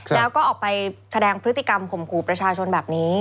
แล้วก็ออกไปแสดงพฤติกรรมข่มขู่ประชาชนแบบนี้